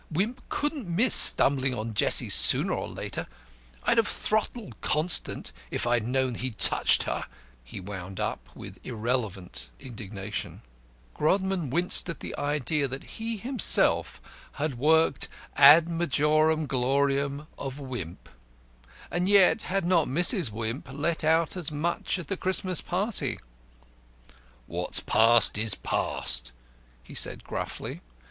Wimp couldn't miss stumbling on Jessie sooner or later. I'd have throttled Constant, if I had known he'd touched her," he wound up with irrelevant indignation. Grodman winced at the idea that he himself had worked ad majorem gloriam of Wimp. And yet, had not Mrs. Wimp let out as much at the Christmas dinner? "What's past is past," he said gruffly.